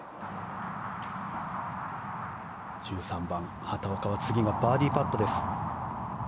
１３番、畑岡は次がバーディーパットです。